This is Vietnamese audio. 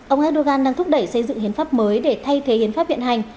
ông erdogan đang thúc đẩy xây dựng hiến pháp mới để thay thế hiến pháp viện hành